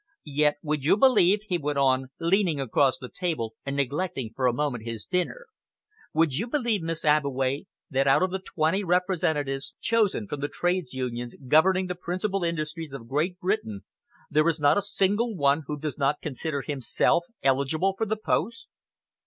"Yet would you believe," he went on, leaning across the table and neglecting for a moment his dinner, "would you believe, Miss Abbeway, that out of the twenty representatives chosen from the Trades Unions governing the principal industries of Great Britain, there is not a single one who does not consider himself eligible for the post."